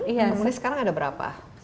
yang kemudian sekarang ada berapa